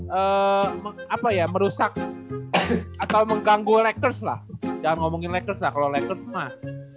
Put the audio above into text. hai eh apa ya merusak atau mengganggu leker slah jangan ngomongin leker saklo leker mah